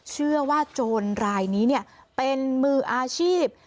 เชื่อว่าโจรรายนี้เป็นมืออาชีพ